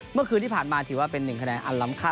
เมื่อคืนที่ผ่านมาถือว่าเป็น๑คะแนนอันล้ำค่า